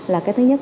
là cái thứ nhất